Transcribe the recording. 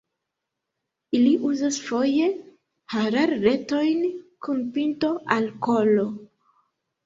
Ili uzas foje hararretojn kun pinto al kolo.